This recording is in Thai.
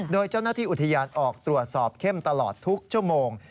โดยเจ้าหน้าที่อุทยานออกตรวจสอบเข้มตลอดทุกชั่วโมง